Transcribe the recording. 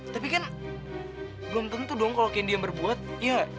tapi kan belum tentu dong kalo candy yang berbuat ya